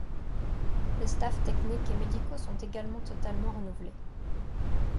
Les staffs techniques et médicaux sont également totalement renouvelés.